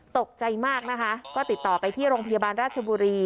ตกใจมากนะคะก็ติดต่อไปที่โรงพยาบาลราชบุรี